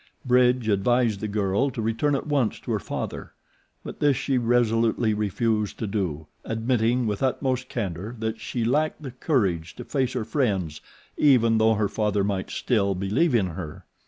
Bridge advised the girl to return at once to her father; but this she resolutely refused to do, admitting with utmost candor that she lacked the courage to face her friends even though her father might still believe in her.